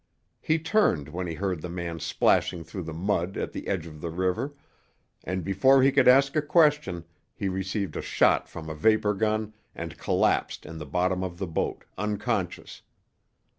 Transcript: He turned when he heard the man splashing through the mud at the edge of the river, and before he could ask a question he received a shot from a vapor gun and collapsed in the bottom of the boat, unconscious.